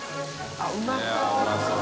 あっうまそう。